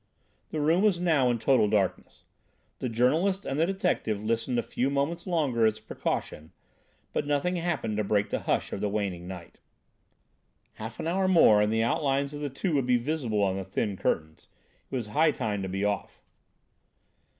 The room was now in total darkness. The journalist and the detective listened a few moments longer as a precaution, but nothing happened to break the hush of the waning night. Half an hour more and the outlines of the two would be visible on the thin curtains. It was high time to be off.